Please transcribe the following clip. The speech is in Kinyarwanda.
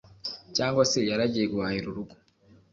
cyangwa se yaragiye guhahira urugo.